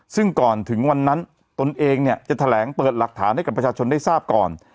ซึ่งก่อนถึงวันนั้นตนเองเนี่ยจะแถลงเปิดหลักฐานให้กับประชาชนได้ทราบก่อน